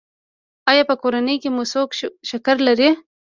ایا په کورنۍ کې مو څوک شکر لري؟